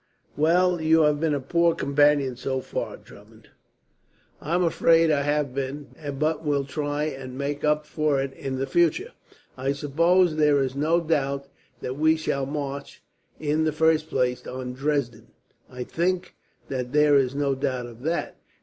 "Well, you have been a poor companion so far, Drummond." "I am afraid I have been, but will try and make up for it, in the future. "I suppose there is no doubt that we shall march, in the first place, on Dresden." "I think that there is no doubt of that.